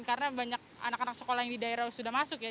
karena banyak anak anak sekolah yang di daerah sudah masuk ya